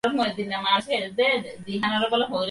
এগার নম্বর বেডটার দিকে তাকিয়ে দেখুন।